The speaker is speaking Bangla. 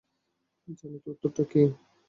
জানি, তো উত্তরটা কী?